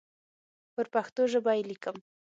پر پښتو ژبه یې لیکم.